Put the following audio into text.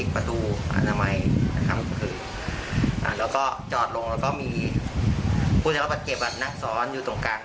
คุณฟังที่ตะมนต์๔๐๐๐๐หมู่๓ครับ